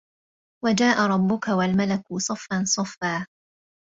وَجَاءَ رَبُّكَ وَالْمَلَكُ صَفًّا صَفًّا